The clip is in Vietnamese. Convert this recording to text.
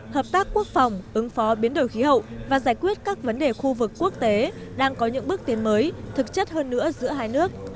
hợp tác quốc phòng ứng phó biến đổi khí hậu và giải quyết các vấn đề khu vực quốc tế đang có những bước tiến mới thực chất hơn nữa giữa hai nước